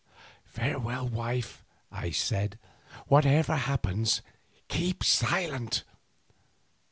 "Farewell, wife," I said; "whatever happens, keep silent."